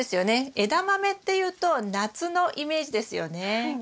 エダマメっていうと夏のイメージですよね。